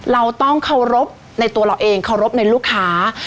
เราต้องเคารพในตัวเราเองเคารพในลูกค้า